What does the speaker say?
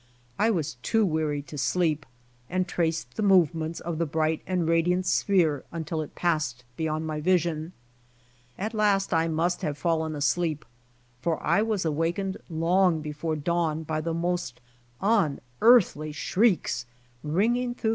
I was too weary to sleep, and traced the movements of the bright and radiant sphere until it passed beyond my vision. At last I mustihave fallen asleep, for 1 was awakened long before dawn by the most unearthly shrieks ringing through